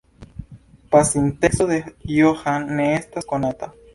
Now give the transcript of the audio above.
Pasinteco de Johan ne estas konata.